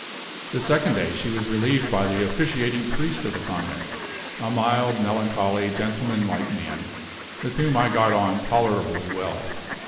The second day she was relieved by the officiating priest of the convent a mild, melancholy, gentleman like man, with whom I got on tolerably well.